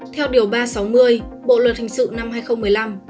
theo điều ba trăm sáu mươi bộ luật hình sự năm hai nghìn một mươi năm